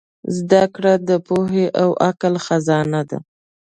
زدهکړه د پوهې او عقل خزانه ده.